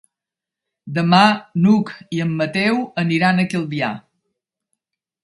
Demà n'Hug i en Mateu aniran a Calvià.